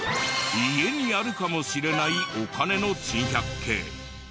家にあるかもしれないお金の珍百景。